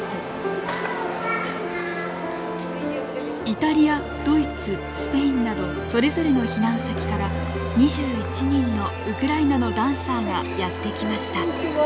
イタリアドイツスペインなどそれぞれの避難先から２１人のウクライナのダンサーがやって来ました。